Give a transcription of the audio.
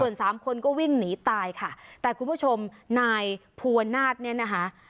ส่วนสามคนก็วิ่งหนีตายค่ะแต่คุณผู้ชมนายภูวนาศเนี่ยนะคะ